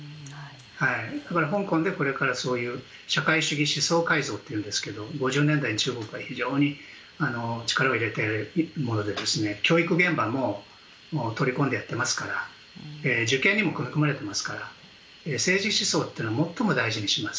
だから、香港でこれからそういう社会主義思想改造というんですが１９５０年代に中国が非常に力を入れてやったもので教育現場にも取り込まれていますから受験にも組み込まれていますから政治思想というのは最も大事にします。